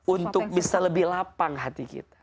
untuk bisa lebih lapang hati kita